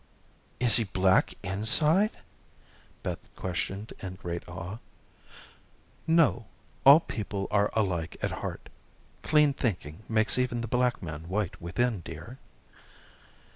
"Is he black inside?" Beth questioned in great awe. "No. All people are alike at heart. Clean thinking makes even the black man white within, dear."